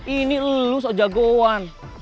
ini lo sejagoan